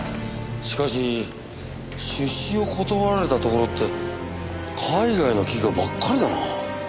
しかし出資を断られたところって海外の企業ばっかりだな。